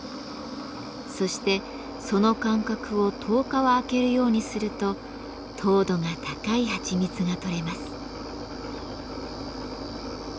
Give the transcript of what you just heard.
そしてその間隔を１０日は空けるようにすると糖度が高いはちみつが採れます。